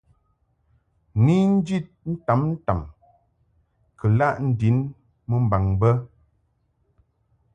Ni njid ntamtam kɨ laʼ ndin mumbaŋ bə.